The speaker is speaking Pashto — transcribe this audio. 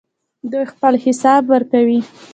دوی خپل حساب ورکوي.